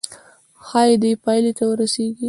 ښايي دې پايلې ته ورسيږئ.